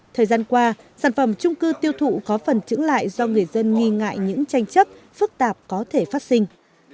thời gian qua sản phẩm trung cư tiêu thụ có phần trứng lại do người dân nghi ngại những tranh chấp phức tạp có thể phát sinh